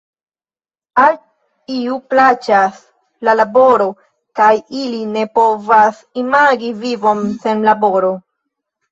Al iuj plaĉas la laboro kaj ili ne povas imagi vivon sen laboro.